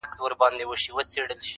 o دا مي سمنډوله ده، برخه مي لا نوره ده٫